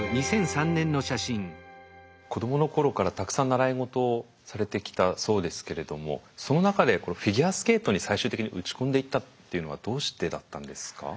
子どもの頃からたくさん習い事をされてきたそうですけれどもその中でこのフィギュアスケートに最終的に打ち込んでいったっていうのはどうしてだったんですか？